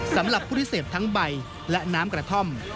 สำหรับผู้ที่เสพทั้งใบและน้ำกระท่อม